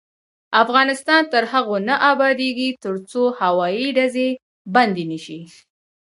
افغانستان تر هغو نه ابادیږي، ترڅو هوایي ډزې بندې نشي.